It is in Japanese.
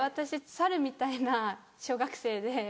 猿みたいな小学生？